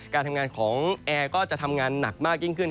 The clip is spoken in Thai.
การทำงานของแอร์ก็จะทำงานหนักมากยิ่งขึ้น